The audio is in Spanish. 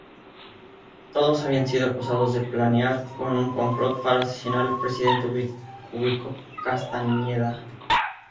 Todos habían sido acusados de planear un complot para asesinar al presidente Ubico Castañeda.